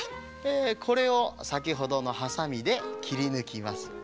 これをさきほどのハサミできりぬきます。